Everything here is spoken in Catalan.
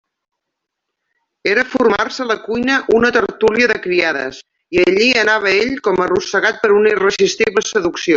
Era formar-se a la cuina una tertúlia de criades, i allí anava ell, com arrossegat per una irresistible seducció.